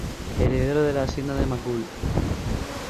Heredero de la hacienda de Macul.